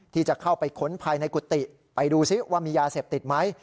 ที่จะเข้าไปค้นภายในกุฏิไปดูซิว่ามียาเสพติดไหม